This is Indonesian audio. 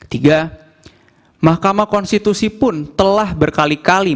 tiga mahkamah konstitusi pun telah berkali kali